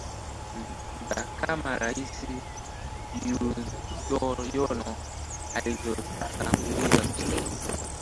za kama rais yudhoyono alivyotangulia kusema